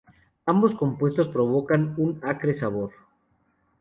Ambos compuestos provocan un acre sabor.